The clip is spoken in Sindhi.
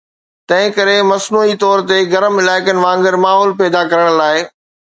تنهن ڪري، مصنوعي طور تي گرم علائقن وانگر ماحول پيدا ڪرڻ لاء